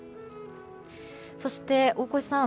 そして、大越さん。